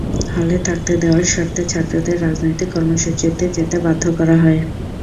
হলে থাকতে দেওয়ার শর্তে ছাত্রদের রাজনৈতিক কর্মসূচিতে যেতে বাধ্য করা হয়।